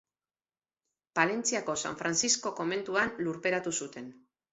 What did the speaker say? Palentziako San Frantzisko komentuan lurperatu zuten.